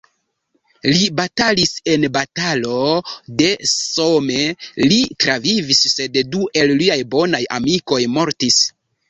Li batalis en Batalo de Somme—li travivis, sed du el liaj bonaj amikoj mortis.